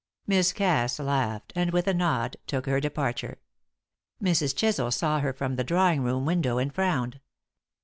Miss Cass laughed, and, with a nod, took her departure. Mrs. Chisel saw her from the drawing room window and frowned.